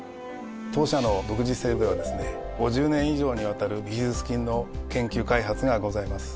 当社の独自性ではですね５０年以上にわたるビフィズス菌の研究・開発がございます。